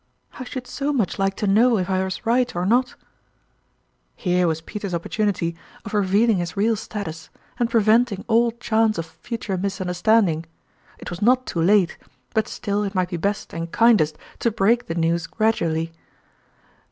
I should so much like to know if I was right or not ?" 87 Here was Peter's opportunity of revealing his real status, and preventing all chance of future misunderstanding. It was not top late ; but still it might be best and kindest to break the news gradually.